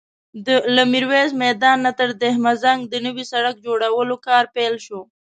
له ميرويس میدان نه تر دهمزنګ د نوي سړک جوړولو کار پیل شوی